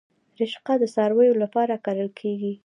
رشقه د څارویو لپاره کرل کیږي